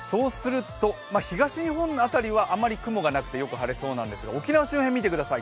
東日本の辺りはあまり雲がなくてよく晴れそうなんですが沖縄周辺、見てください。